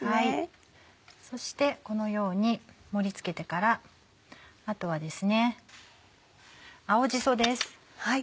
そしてこのように盛り付けてからあとはですね青じそです。